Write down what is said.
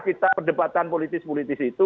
kita perdebatan politis politis itu